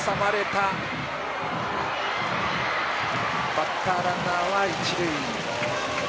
バッター、ランナーは一塁。